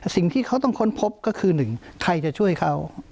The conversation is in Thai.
สิ่งที่เขาต้องค้นพบก็คือหนึ่งใครจะช่วยเขา